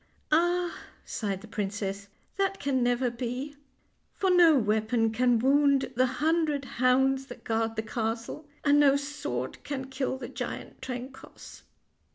" Ah !" sighed the princess, " that can never be, for no weapon can wound the hundred hounds that guard the castle, and no sword can kill the giant Trencoss."